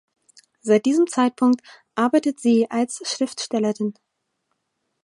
Seit diesem Zeitpunkt arbeitet sie als Schriftstellerin.